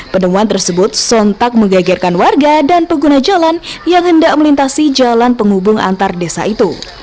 penemuan tersebut sontak menggegerkan warga dan pengguna jalan yang hendak melintasi jalan penghubung antar desa itu